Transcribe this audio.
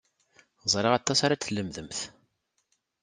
Ẓriɣ aṭas ara d-tlemdemt.